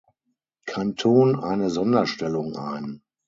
Kanton eine Sonderstellung ein.